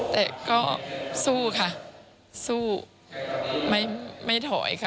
แต่ก็สู้ค่ะสู้ไม่ถอยค่ะ